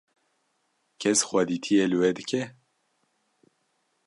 Kes xwedîtiyê li we dike?